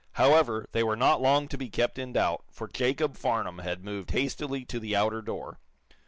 However, they were not long to be kept in doubt, for Jacob Farnum had moved hastily to the outer door.